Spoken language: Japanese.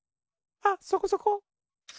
あっそこそこ。